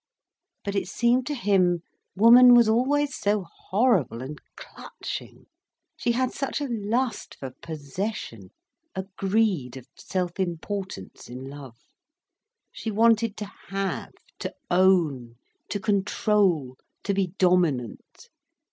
But it seemed to him, woman was always so horrible and clutching, she had such a lust for possession, a greed of self importance in love. She wanted to have, to own, to control, to be dominant.